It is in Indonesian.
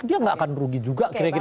dia gak akan rugi juga kira kira begitu